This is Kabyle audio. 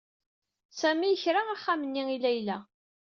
Sami yekra axxam-nni i Layla.